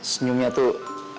senyumnya tuh aduh